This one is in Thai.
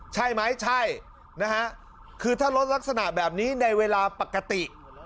ใช่ไหมใช่นะฮะคือถ้ารถลักษณะแบบนี้ในเวลาปกติ